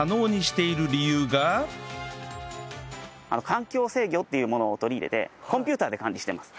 環境制御っていうものを取り入れてコンピューターで管理してます。